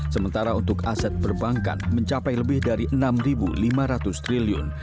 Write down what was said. sementara untuk aset perbankan mencapai lebih dari rp enam lima ratus triliun